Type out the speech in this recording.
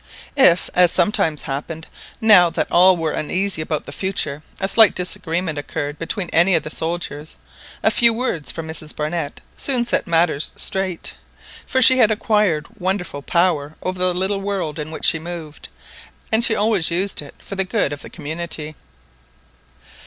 If, as sometimes happened, now that all were uneasy about the future, a slight disagreement occurred between any of the soldiers, a few words from Mrs Barnett soon set matters straight, for she had acquired wonderful power over the little world in which she moved, and she always used it for the good of the community.